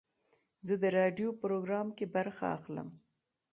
زه د راډیو پروګرام کې برخه اخلم.